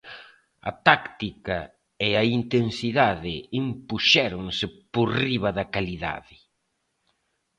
A táctica e a intensidade impuxéronse por riba da calidade.